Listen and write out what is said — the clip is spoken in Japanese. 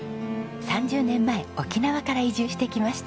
３０年前沖縄から移住してきました。